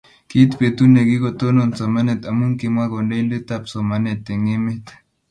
kiit betu ne kikitonon somanet amu kimwa kandoindetab somanet eng' emet.